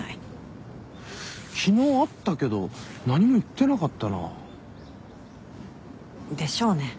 昨日会ったけど何も言ってなかったな。でしょうね。